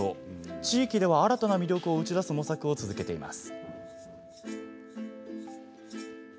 地域では新たな魅力を打ち出す模索を続けています。